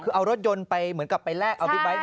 คือเอารถยนต์ไปเหมือนกับไปแลกเอาบิ๊กไบท์